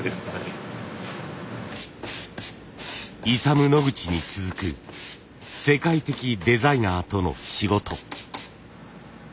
イサム・ノグチに続く世界的デザイナーとの仕事。